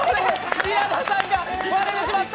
稲田さんが割れてしまった。